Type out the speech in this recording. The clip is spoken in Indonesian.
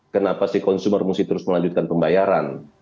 kenapa si konsumen harus terus melanjutkan pembayaran